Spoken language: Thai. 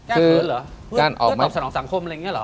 เพื่อตอบสนองสังคมอะไรอย่างนี้เหรอ